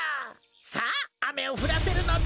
さああめをふらせるのだ。